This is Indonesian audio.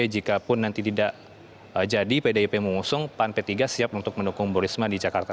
jikapun nanti tidak jadi pdip mengusung pan p tiga siap untuk mendukung bu risma di jakarta